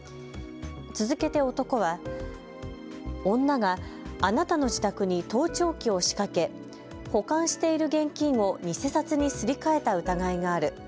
続けて男は女があなたの自宅に盗聴器を仕掛け保管している現金を偽札にすり替えた疑いがある。